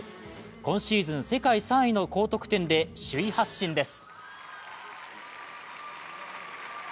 今シーズン世界３位の高得点で首位発進です。